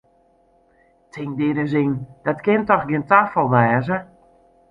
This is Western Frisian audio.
Tink dy ris yn, dat kin dochs gjin tafal wêze!